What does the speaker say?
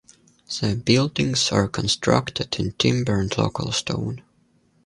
The buildings are constructed in timber and local stone.